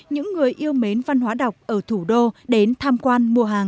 những người yêu mến văn hóa đọc ở thủ đô đến tham quan mua hàng